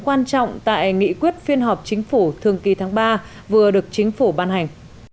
quan trọng tại nghị quyết phiên họp chính phủ thường kỳ tháng ba vừa được chính phủ ban hành